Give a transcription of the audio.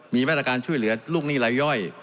มีมาตรการช่วยเหลือลูกหนี้รายย่อย